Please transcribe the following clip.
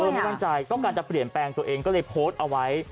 ไม่มั่นใจต้องการจะเปลี่ยนแปลงตัวเองก็เลยโพสต์เอาไว้